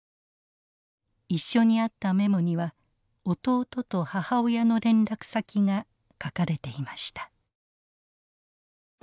一緒にあったメモには弟と母親の連絡先が書かれていました。